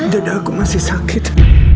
dada aku masih sakit